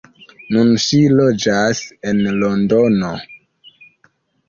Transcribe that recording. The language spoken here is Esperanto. Nun ŝi loĝas en Londono.